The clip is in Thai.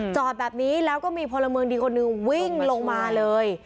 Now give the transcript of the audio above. จอดแบบนี้แล้วก็มีพลเมืองดีคนหนึ่งวิ่งลงมาเลย